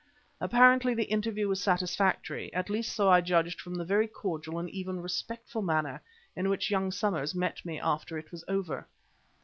Apparently the interview was satisfactory, at least so I judged from the very cordial and even respectful manner in which young Somers met me after it was over.